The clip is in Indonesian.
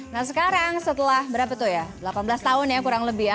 nah sekarang setelah berapa tuh ya delapan belas tahun ya kurang lebih ya